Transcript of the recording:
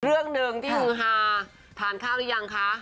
เรื่องหนึ่งที่ฮือฮาทานข้าวหรือยังคะ